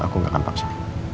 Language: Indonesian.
aku nggak akan paksa